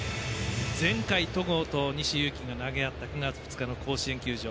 前回、戸郷と西勇輝が投げ合った９月２日の甲子園球場